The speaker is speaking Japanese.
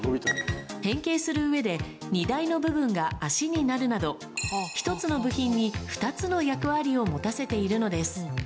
変形するうえで、荷台の部分が脚になるなど、１つの部品に２つの役割を持たせているのです。